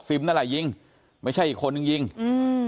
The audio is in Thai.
นั่นแหละยิงไม่ใช่อีกคนนึงยิงอืม